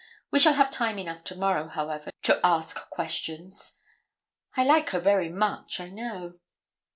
We shall have time enough to morrow, however, to ask questions. I like her very much, I know.'